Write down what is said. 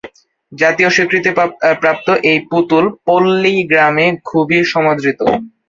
জাতীয় স্বীকৃতিপ্রাপ্ত এই পুতুল পল্লী গ্রামে খুবই সমাদৃত।